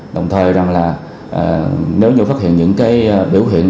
đồng thời nếu như phát hiện những biểu hiện